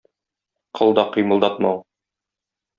Кыл да кыймылдатмау